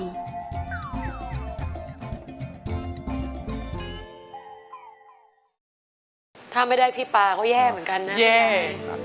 รายการต่อไปนี้เป็นรายการทั่วไปสามารถรับชมได้ทุกวัย